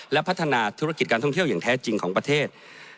และพัฒนาธุรกิจการท่องเที่ยวอย่างแท้จริงของประเทศ